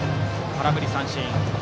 空振り三振。